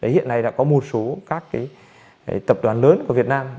đấy hiện nay đã có một số các cái tập đoàn lớn của việt nam